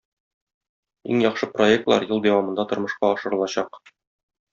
Иң яхшы проектлар ел дәвамында тормышка ашырылачак.